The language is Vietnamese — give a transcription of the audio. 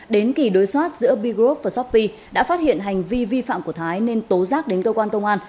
đến kỳ đối soát giữa b group và shopee đã phát hiện hành vi vi phạm của thái nên tố giác đến cơ quan công an